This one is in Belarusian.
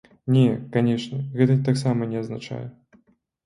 Не, канечне, гэта таксама не азначае.